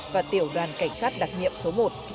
và tiểu đoàn cảnh sát đặc nhiệm số một